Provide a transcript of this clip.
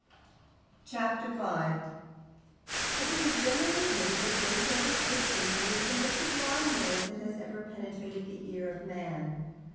Chapter 5 It will be generally admitted that Beethoven's Fifth Symphony is the most sublime noise that has ever penetrated into the ear of man.